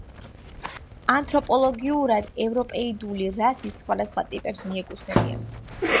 ანთროპოლოგიურად ევროპეიდული რასის სხვადასხვა ტიპებს მიეკუთვნებიან.